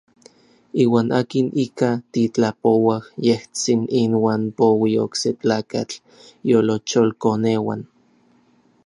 Iuan akin ika titlapouaj, yejtsin inuan poui okse tlakatl iolocholkoneuan.